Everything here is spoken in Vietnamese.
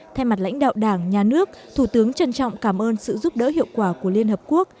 thay mặt lãnh đạo đảng nhà nước thủ tướng trân trọng cảm ơn sự giúp đỡ hiệu quả của liên hợp quốc